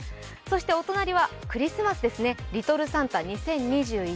お隣はクリスマスですね、リトルサンタ２０２１。